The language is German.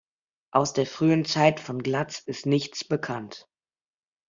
Aus der frühen Zeit von Glatz ist nichts bekannt.